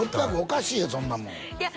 おかしいよそんなもんいや